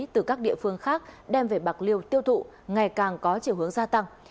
từ các địa phương khác đem về bạc liêu tiêu thụ ngày càng có chiều hướng gia tăng